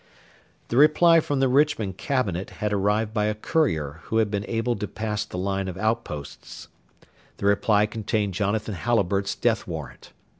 The reply from the Richmond cabinet had arrived by a courier who had been able to pass the line of outposts; the reply contained Jonathan Halliburtt's death warrant.